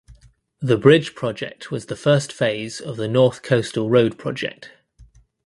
The bridge project was the first phase of the North Coastal Road Project.